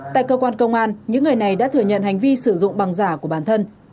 tại cơ quan công an những người này đã thừa nhận hành vi sử dụng bằng giả của bản thân